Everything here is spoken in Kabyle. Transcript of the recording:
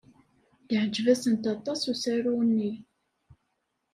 Yeɛjeb-asent aṭas usaru-nni.